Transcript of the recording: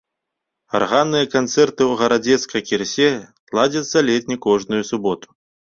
Арганныя канцэрты ў гарадзенскай кірсе ладзяцца ледзь не кожную суботу.